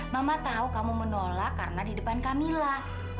mama tahu kamu menolak karena di depan kamila